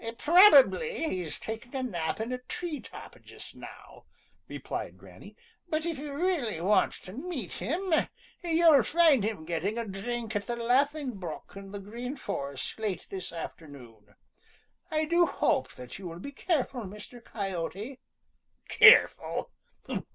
"Probably he's taking a nap in a tree top just now," replied Granny, "but it you really want to meet him, you'll find him getting a drink at the Laughing Brook in the Green Forest late this afternoon. I do hope that you will be careful, Mr. Coyote." "Careful!